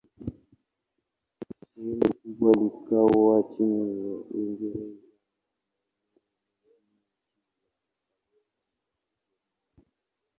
Sehemu kubwa likawa chini ya Uingereza, na maeneo mengine chini ya Ufaransa na Ujerumani.